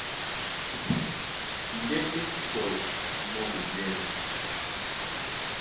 Ndé e sí pɔi mɔ́ ɓondɛ́nɛ.